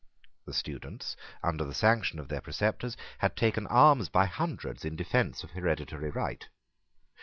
The students, under the sanction of their preceptors, had taken arms by hundreds in defence of hereditary right.